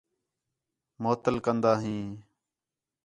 معطل کندا ہیں